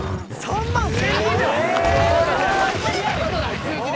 聞いた事ない数字で！